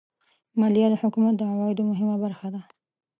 مالیه د حکومت د عوایدو مهمه برخه ده.